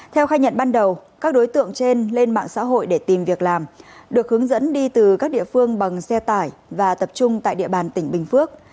theo khai nhận ban đầu các đối tượng trên lên mạng xã hội để tìm việc làm được hướng dẫn đi từ các địa phương bằng xe tải và tập trung tại địa bàn tỉnh bình phước